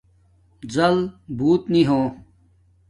زَل بݸت نی ہو